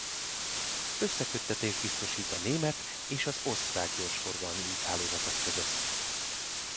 Összeköttetést biztosít a német és az osztrák gyorsforgalmi úthálózatok között.